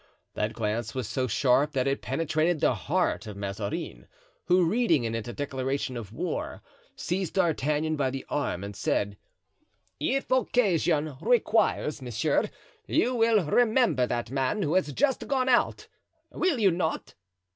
That glance was so sharp that it penetrated the heart of Mazarin, who, reading in it a declaration of war, seized D'Artagnan by the arm and said: "If occasion requires, monsieur, you will remember that man who has just gone out, will you not?"